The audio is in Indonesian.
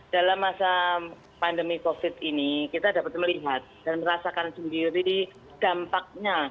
dalam masa pandemi covid ini kita dapat melihat dan merasakan sendiri dampaknya